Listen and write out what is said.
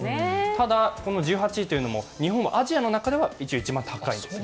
ただ、この１８位というのも日本はアジアの中では一番高いと。